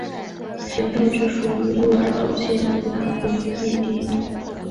行政区属于鹿儿岛县濑户内町。